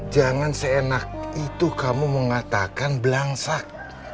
jangan seenak itu kamu mengatakan belangsak